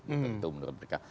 sampai itu menurut mereka